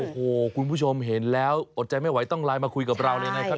โอ้โหคุณผู้ชมเห็นแล้วอดใจไม่ไหวต้องไลน์มาคุยกับเราเลยนะครับ